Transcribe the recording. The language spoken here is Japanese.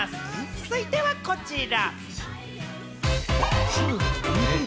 続いてはこちら。